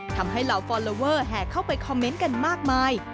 เหล่าฟอลลอเวอร์แห่เข้าไปคอมเมนต์กันมากมาย